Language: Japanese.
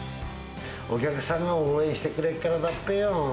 お客さんが応援してくれっからだっぺよー。